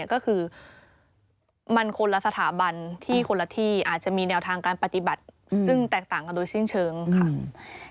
ก็คือมันคนละสถาบันที่คนละที่อาจจะมีแนวทางการปฏิบัติซึ่งแตกต่างกันโดยสิ้นเชิงค่ะ